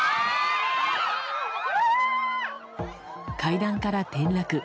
階段から転落。